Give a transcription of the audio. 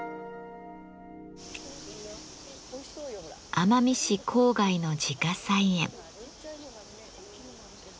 奄美市郊外の自家菜園。